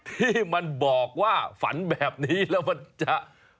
ที่มันบอกว่าฝันแบบนี้แล้วมันจะ